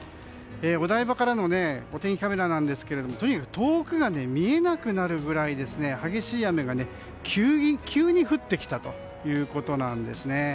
お台場からのお天気カメラなんですけれどもとにかく遠くが見えなくなるぐらい激しい雨が急に降ってきたということなんですね。